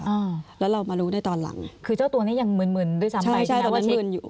อ่าแล้วเรามารู้ในตอนหลังคือเจ้าตัวเนี้ยยังมืนมืนด้วยซ้ำไปใช่ใช่ตอนนั้นมืนอยู่